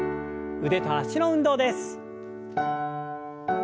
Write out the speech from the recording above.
腕と脚の運動です。